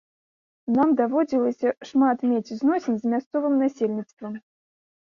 Нам даводзілася шмат мець зносін з мясцовым насельніцтвам.